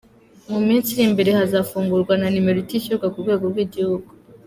Mu minsi iri imbere hazafungurwa na nimero itishyurwa ku rwego rw’igihugu.